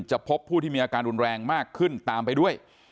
พบผู้ที่มีอาการรุนแรงมากขึ้นตามไปด้วย